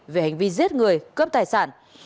về hành vi giết người cướp tài sản